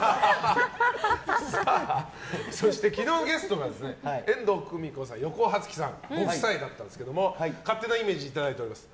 昨日のゲストが遠藤久美子さん、横尾初喜さんご夫妻だったんですが勝手なイメージいただいております。